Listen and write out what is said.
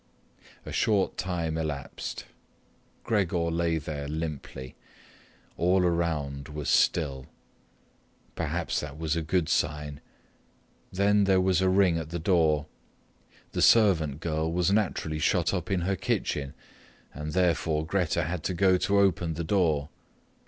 A short time elapsed. Gregor lay there limply. All around was still. Perhaps that was a good sign. Then there was ring at the door. The servant girl was naturally shut up in her kitchen, and therefore Grete had to go to open the door.